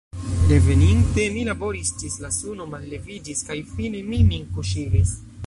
Reveninte, mi laboris ĝis la suno malleviĝis, kaj fine mi min kuŝigis.